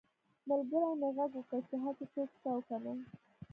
ملګري مې غږ وکړ چې هلته څوک شته او که نه